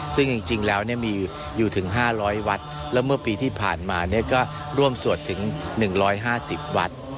ซึ่งจริงแล้วมีอยู่ถึง๕๐๐วัดแล้วเมื่อปีที่ผ่านมาก็ร่วมสวดถึง๑๕๐วัด